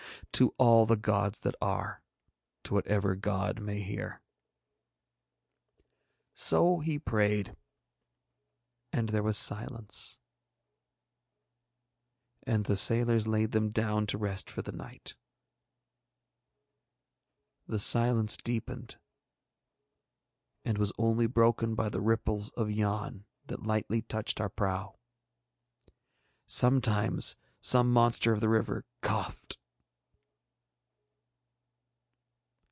To all the gods that are. To whatever god may hear. So he prayed, and there was silence. And the sailors laid them down to rest for the night. The silence deepened, and was only broken by the ripples of Yann that lightly touched our prow. Sometimes some monster of the river coughed.